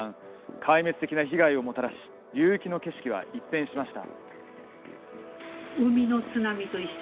壊滅的な被害をもたらし流域の景色は一変しました。